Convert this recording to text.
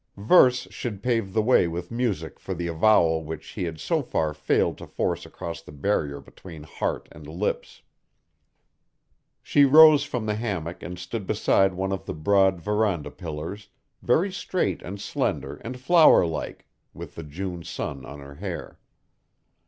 Verse should pave the way with music for the avowal which he had so far failed to force across the barrier between heart and lips. She rose from the hammock and stood beside one of the broad verandah pillars, very straight and slender and flower like, with the June sun on her hair.